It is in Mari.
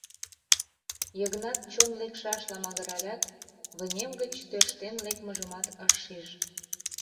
— Йыгнат чон лекшашла магыралят, вынем гыч тӧрштен лекмыжымат ыш шиж.